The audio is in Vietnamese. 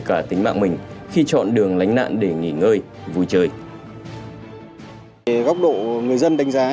cả tính mạng mình khi chọn đường lánh nạn để nghỉ ngơi vui chơi góc độ người dân đánh giá